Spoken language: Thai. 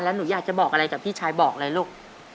แล้วหนูอยากจะบอกอะไรกับพี่ชายบอกอะไรลูก